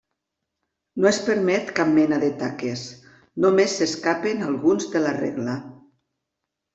No es permet cap mena de taques, només s'escapen alguns de la regla.